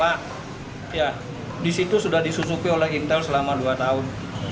pak ya disitu sudah disusupi oleh intel selama dua tahun